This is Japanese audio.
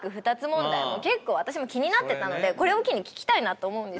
結構私も気になってたのでこれを機に聞きたいなと。